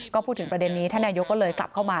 ก็พูดถึงประเด็นนี้ท่านนายกก็เลยกลับเข้ามา